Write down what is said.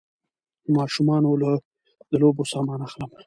ماشومانو له د لوبو سامان اخلم